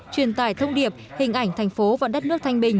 truyền tải thông điệp hình ảnh thành phố và đất nước thanh bình